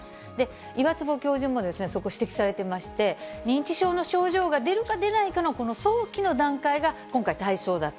岩坪教授もそこ、指摘されてまして、認知症の症状が出か出ないかの、この早期の段階が今回、対象だと。